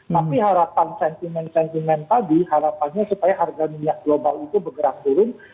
tapi harapan sentimen sentimen tadi harapannya supaya harga minyak global itu bergerak turun